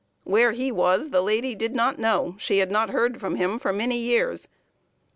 Where he was the lady did not know; she had not heard from him for many years.